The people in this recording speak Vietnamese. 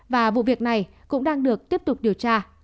và vụ việc này cũng đang được tiếp tục điều tra